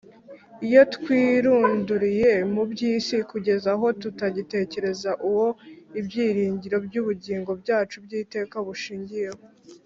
,. Iyo twirunduriye mu by’isi kugeza aho tutagitekereza Uwo ibyiringiro by’ubugingo bwacu bw’iteka bushingiyeho,